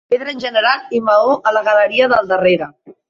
Pedra en general i maó a la galeria del darrere.